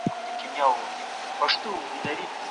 د هوډ لرل د بریا شرط دی.